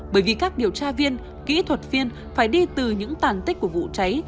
bởi vì các điều tra viên kỹ thuật viên phải đi từ những tàn tích của vụ cháy